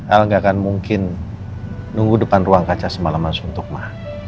al gak akan mungkin nunggu depan ruang kaca semalaman suntuk ma